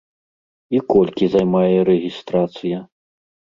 І колькі займае рэгістрацыя?